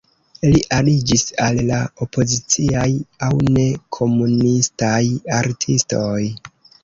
Li aliĝis al la opoziciaj aŭ ne-komunistaj artistoj.